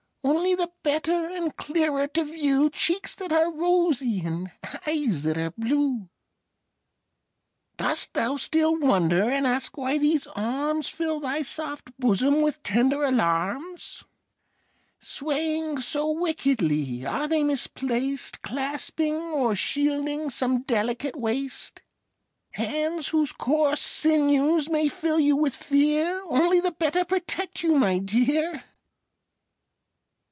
Only the better and clearer to view Cheeks that are rosy and eyes that are blue. Dost thou still wonder, and ask why these arms Fill thy soft bosom with tender alarms, Swaying so wickedly? Are they misplaced Clasping or shielding some delicate waist? Hands whose coarse sinews may fill you with fear Only the better protect you, my dear!